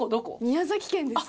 宮崎県です。